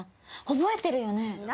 覚えてるよね？